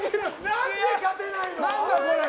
何で勝てないの？